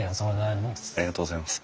ありがとうございます。